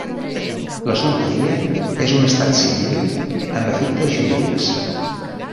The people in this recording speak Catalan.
La solteria és un estat civil amb efectes jurídics.